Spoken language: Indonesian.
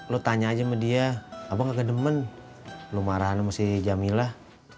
lo tanya aja sama dia apa gak ke demen lo marah sama si jamilah